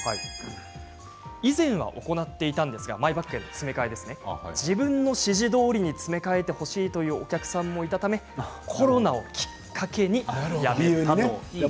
以前は行っていたんですがマイバッグの詰め替えですね自分の指示どおりに詰め替えてほしいというお客さんもいたためコロナをきっかけにやめたと。